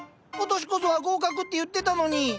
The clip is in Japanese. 「今年こそは合格！」って言ってたのに。